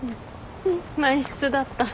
満室だった。